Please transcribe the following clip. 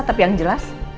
tapi yang jelas